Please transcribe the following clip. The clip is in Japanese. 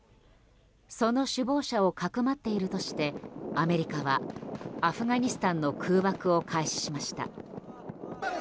その首謀者をかくまっているとしてアメリカはアフガニスタンの空爆を開始しました。